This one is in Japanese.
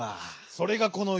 それがこのよ